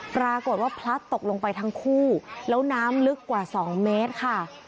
ปรากฏว่าพลัดตกลงไปทั้งคู่แล้วน้ำลึกกว่า๒เมตรค่ะ